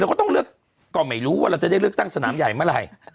ก็ต้องเลือกก็ไม่รู้ว่าเราจะได้เลือกตั้งสนามใหญ่เมื่อไหร่